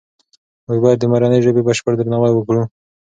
موږ باید د مورنۍ ژبې بشپړ درناوی وکړو.